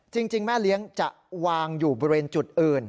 จริงแม่เลี้ยงจะวางอยู่บริเวณจุดอื่น